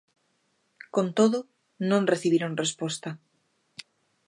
Con todo, non recibiron resposta.